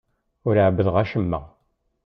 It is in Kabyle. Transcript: Ur ɛebbdeɣ acemma.